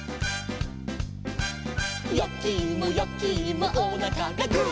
「やきいもやきいもおなかがグー」